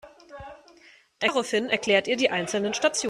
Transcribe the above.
Daraufhin erklärt ihr die einzelnen Stationen.